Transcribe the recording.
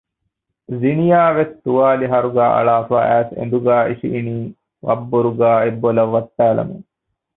ޒިނިޔާވެސް ތުވާލި ހަރުގައި އަޅާފައި އައިސް އެނދުގައި އިށިއިނީ ވަށްބުރުގާއެއް ބޮލަށް ވައްޓާލަމުން